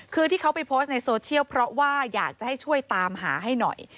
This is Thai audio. คือที่เขาไปโพสต์ในโซเชียลเพราะว่าอยากจะให้ช่วยตามหาให้หน่อย